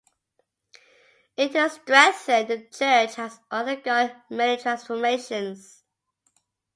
In turn strengthened the church has undergone many transformations.